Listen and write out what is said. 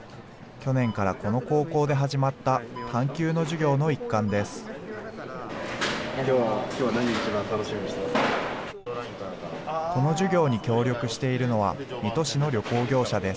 去年からこの高校で始まった、探究の授業の一環です。